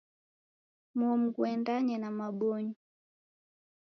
Momu ghuendanye na mabonyo.